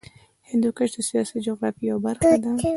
هندوکش د سیاسي جغرافیه یوه برخه ده.